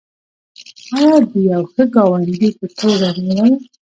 آیا د یو ښه ګاونډي په توګه نه دی؟